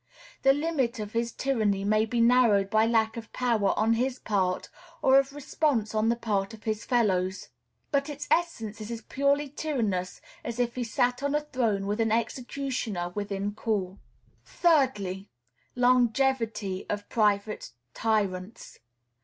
The limit of his tyranny may be narrowed by lack of power on his part, or of response on the part of his fellows; but its essence is as purely tyrannous as if he sat on a throne with an executioner within call. Thirdly. Longevity of private tyrants.